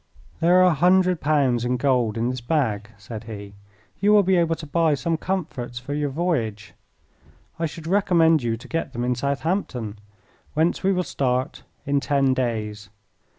"There are a hundred pounds in gold in this bag," said he. "You will be able to buy some comforts for your voyage. I should recommend you to get them in Southampton, whence we will start in ten days.